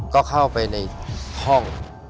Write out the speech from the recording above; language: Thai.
ก็เข้าไปในห้อง